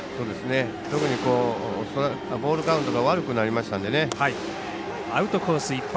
特にボールカウントが悪くなりましたのでね。